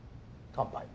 乾杯。